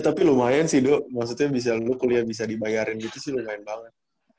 tapi lumayan sih do maksudnya lu kuliah bisa dibiayain gitu sih lumayan banget